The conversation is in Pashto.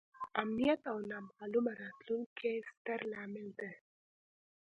امنیت او نامعلومه راتلونکې یې ستر لامل دی.